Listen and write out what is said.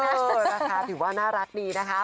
เออนะคะถือว่าน่ารักดีนะคะ